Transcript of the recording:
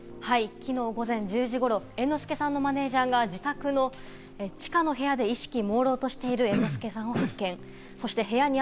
きのう午前１０時ごろ、猿之助さんのマネジャーが自宅の地下の部屋で意識もうろうとしている猿之助さんを発見。